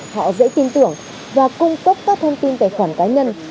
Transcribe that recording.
họ dễ tin tưởng và cung cấp các thông tin tài khoản cá nhân